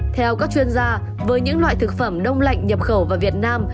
theo các chuyên gia với những loại thực phẩm đông lạnh nhập khẩu vào việt nam